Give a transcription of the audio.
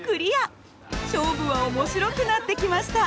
勝負は面白くなってきました。